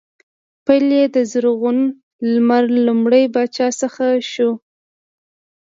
پیل یې د زرغون لمر لومړي پاچا څخه شوی و